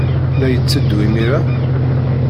La yetteddu imir-a?